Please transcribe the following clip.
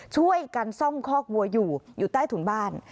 ช่วยกันซ่อมคอกวัวอยู่อยู่ใต้ถุนบ้าน